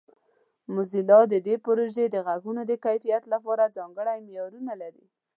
موزیلا د دې پروژې د غږونو د کیفیت لپاره ځانګړي معیارونه لري.